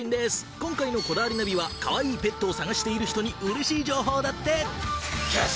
今回の『こだわりナビ』はかわいいペットを探している人に嬉しい情報だって！